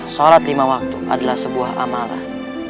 sholat lima waktu adalah sebuah amarah